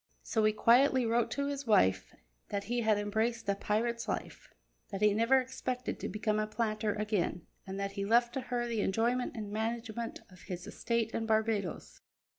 So he quietly wrote to his wife that he had embraced a pirate's life, that he never expected to become a planter again, and that he left to her the enjoyment and management of his estate in Barbadoes.